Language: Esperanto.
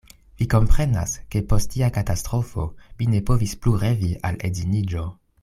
Vi komprenas, ke post tia katastrofo mi ne povis plu revi al edziniĝo.